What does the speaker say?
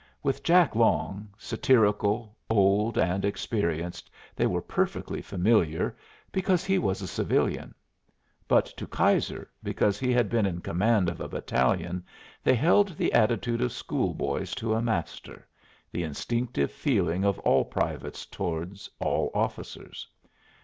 With Jack Long, satirical, old, and experienced, they were perfectly familiar, because he was a civilian; but to Keyser, because he had been in command of a battalion, they held the attitude of school boys to a master the instinctive feeling of all privates towards all officers.